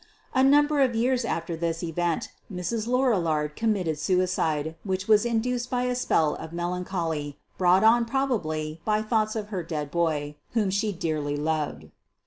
A number of years after this event Mrs. Lorillard committed suicide, which was induced by a spell of melancholy, brought on prob ably by thoughts of her dead boy, whom she dearly loved.